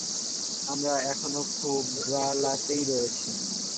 আমরা এখনও খুবালাতেই রয়েছি।